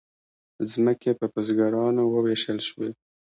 ځمکې په بزګرانو وویشل شوې.